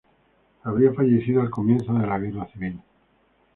Habría fallecido al comienzo de la guerra civil.